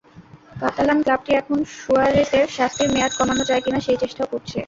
Catalan ক্লাবটি এখন সুয়ারেজের শাস্তির মেয়াদ কমানো যায় কিনা, সেই চেষ্টাও করছে।